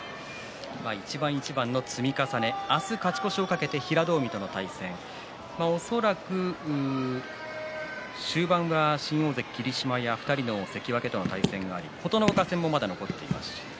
一番一番の積み重ね明日は勝ち越しをかけて平戸海との対戦恐らく終盤は新大関霧島や２人の関脇との対戦があり琴ノ若戦もまだ残っています。